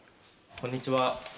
こんにちは。